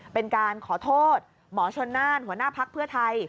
เป็นการขอโทษหมอชนน่านหัวหน้าพักเพื่อไทย